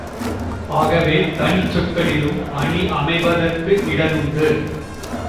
ஆகவே, தனிச்சொற்களிலும் அணி அமைதற் கிடனுண்டு.